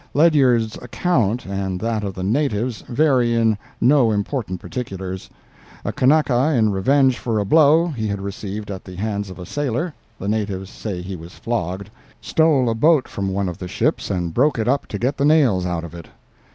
Ledyard's account and that of the natives vary in no important particulars. A Kanaka, in revenge for a blow he had received at the hands of a sailor (the natives say he was flogged), stole a boat from one of the ships and broke it up to get the nails out of it.